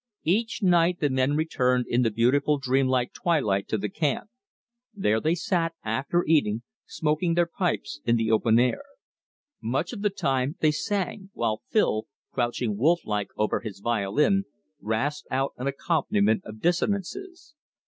Each night the men returned in the beautiful dreamlike twilight to the camp. There they sat, after eating, smoking their pipes in the open air. Much of the time they sang, while Phil, crouching wolf like over his violin, rasped out an accompaniment of dissonances.